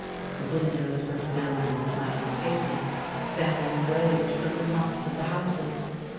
The windows were filled with smiling faces: banners waved from the tops of the houses.